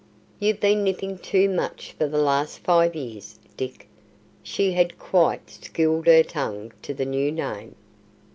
"You've been nipping too much for the last five years, Dick." (She had quite schooled her tongue to the new name.)